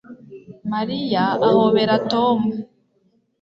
Mariya ahobera Tom